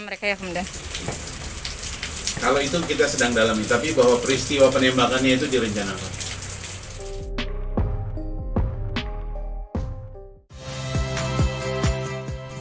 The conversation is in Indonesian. kalau itu kita sedang dalami tapi bahwa peristiwa penembakannya itu direncanakan